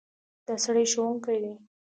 دا سړی ښوونکی دی.